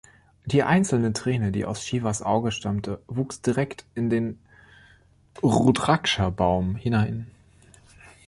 Diese einzelne Träne, die aus Shivas Auge stammte, wuchs direkt in den Rudraksha-Baum hinein.